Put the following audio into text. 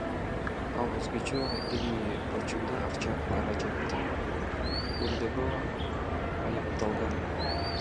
Ал өзгөчө ири өлчөмдө акча каражатын уурдоого айыпталган.